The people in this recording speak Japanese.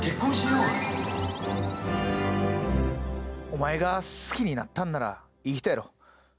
お前が好きになったんならいい人やろ。